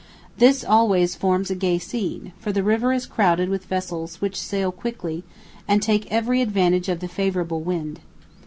This always forms a gay scene, for the river is crowded with vessels which sail quickly, and take every advantage of the favourable wind.